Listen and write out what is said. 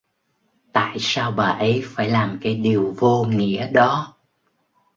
tại sao bà ấy phải làm cái điều vô nghĩa đó